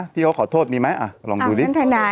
ที่เขาขอโทษมีไหมลองดูดิ